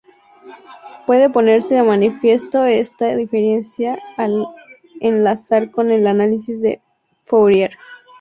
Puede ponerse de manifiesto esta diferencia al enlazar con el análisis de Fourier.